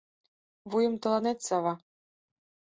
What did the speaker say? Вуйым тыланет сава».